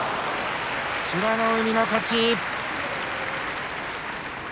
美ノ海の勝ち。